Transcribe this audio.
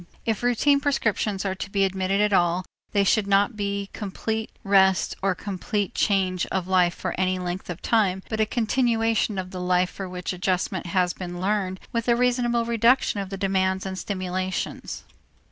If routine prescriptions are to be admitted at all, they should not be complete rest or complete change of life for any length of time but a continuation of the life for which adjustment has been learned with a reasonable reduction of the demands and stimulations.